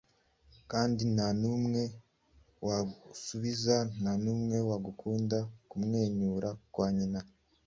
Kandi ntanumwe wasubiza, ntanumwe wagukunda kumwenyura kwa nyina.